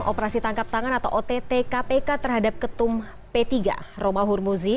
operasi tangkap tangan atau ott kpk terhadap ketum p tiga romahur muzi